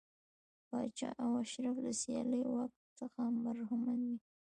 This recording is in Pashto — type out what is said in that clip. پاچا او اشراف له سیاسي واک څخه برخمن وي.